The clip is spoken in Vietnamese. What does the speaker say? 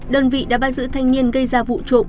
đơn vị đã bắt giữ thanh niên gây ra vụ trộm